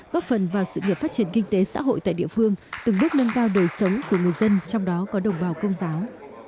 góp phần vào sự nghiệp phát triển kinh tế xã hội tại địa phương từng bước nâng cao đời sống của người dân trong đó có đồng bào công giáo